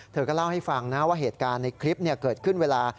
เธอก็เล่าให้ฟังนะว่าเหตุการณ์ในคลิปเกิดขึ้นเวลา